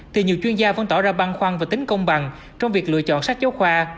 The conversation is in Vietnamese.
thì nhiều chuyên gia vẫn tỏ ra băn khoăn và tính công bằng trong việc lựa chọn sách giáo khoa